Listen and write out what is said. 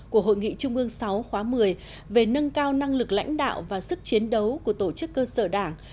của hội nghị trung ương sáu khóa một mươi về nâng cao năng lực lãnh đạo và sức chiến đấu của tổ chức cơ sở đảng